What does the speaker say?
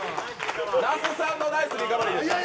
那須さんのナイスリカバリーでした。